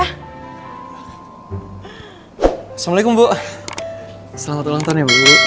assalamualaikum bu selamat ulang tahun ya bu